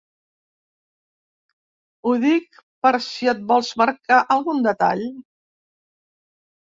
Ho dic per si et vols marcar algun detall.